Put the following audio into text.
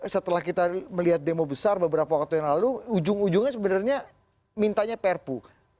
setelah kita melihat demo besar beberapa waktu yang lalu ujung ujungnya sebenarnya mintanya perpu